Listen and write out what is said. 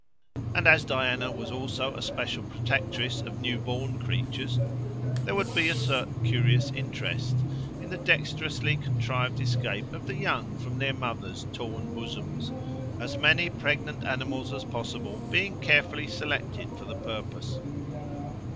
And as Diana was also a special protectress of new born creatures, there would be a certain curious interest in the dexterously contrived escape of the young from their mother's torn bosoms; as many pregnant animals as possible being carefully selected for the purpose.